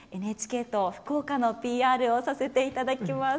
ＮＨＫと福岡のＰＲをさせていただきます。